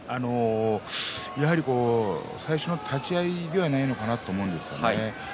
やはり最初の立ち合いではないのかなと思います。